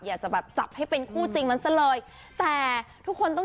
อยากจะแบบจับให้เป็นคู่จริงมันซะเลยแต่ทุกคนต้อง